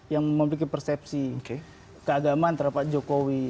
yang memiliki persepsi keagamaan terhadap pak jokowi